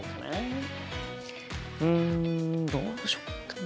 うんどうしよっかな。